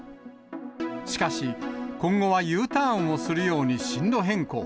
しかし、今後はＵターンをするように進路変更。